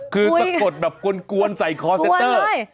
คือสะกดแบบกวนใส่คอร์เซนเตอร์